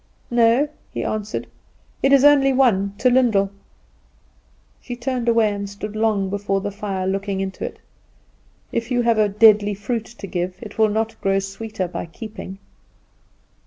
"No," he answered; "it is only one to Lyndall." She turned away, and stood long before the fire looking into it. If you have a deadly fruit to give, it will not grow sweeter by keeping.